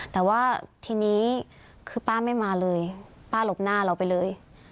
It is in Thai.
แต่ว่าทีนี้คือป้าไม่มาเลยป้าหลบหน้าเราไปเลย